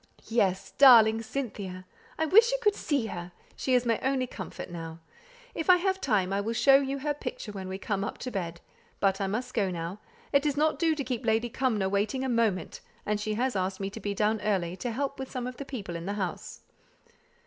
"Yes: darling Cynthia! I wish you could see her; she is my only comfort now. If I have time I will show you her picture when we come up to bed; but I must go now. It does not do to keep Lady Cumnor waiting a moment, and she asked me to be down early, to help with some of the people in the house.